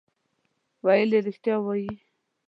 ویل یې رښتیا وایې.